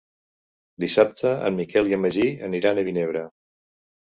Dissabte en Miquel i en Magí aniran a Vinebre.